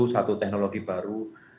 satu teknologi baru